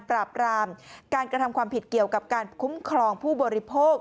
รามการกระทำความผิดเกี่ยวกับการคุ้มครองผู้บริโภค